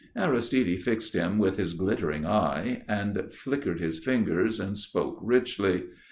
Aristide fixed him with his glittering eye and flickered his fingers and spoke richly.